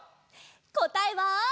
こたえは。